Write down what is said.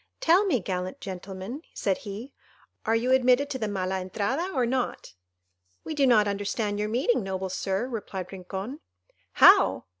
"Tell me, gallant gentlemen," said he, "are you admitted to the Mala Entrada, or not?" "We do not understand your meaning, noble Sir," replied Rincon. "How!